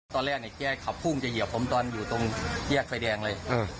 ตอนแรกเนี่ยแกขับพุ่งจะเหยียบผมตอนอยู่ตรงแยกไฟแดงเลย